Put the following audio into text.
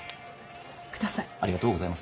ください。